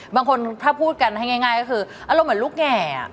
บางคนถ้าพูดกันให้ง่ายก็คืออารมณ์เหมือนลูกแห่